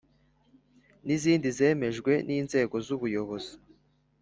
nizindi zemejwe n’inzego z’ubuyobozi ;